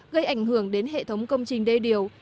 gây ảnh hưởng đến hệ thống công trình đê điều